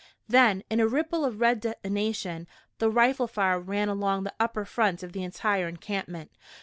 Then, in a ripple of red detonation, the rifle fire ran along the upper front of the entire encampment.